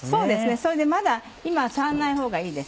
それでまだ今は触んないほうがいいです。